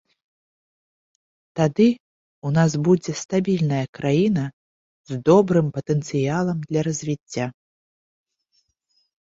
Тады ў нас будзе стабільная краіна з добрым патэнцыялам для развіцця.